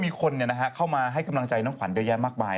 มีคนเข้ามาให้กำลังใจน้องขวัญเยอะแยะมากมาย